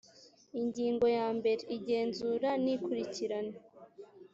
ingingo ya mbere igenzura n ikurikirana